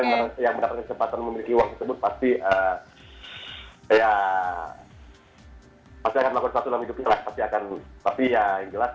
orang yang mendapatkan kesempatan memiliki uang tersebut pasti ya pasti akan melakukan sesuatu dalam hidupnya lah pasti akan melakukan sesuatu dalam hidupnya lah